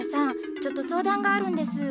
ちょっと相談があるんです。